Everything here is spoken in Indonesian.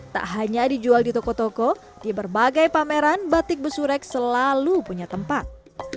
tak hanya dijual di toko toko di berbagai pameran batik besurek selalu punya tempat